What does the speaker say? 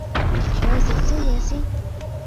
我去食宵夜先